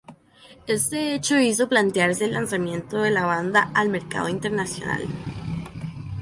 Este hecho hizo plantearse el lanzamiento de la banda al mercado internacional.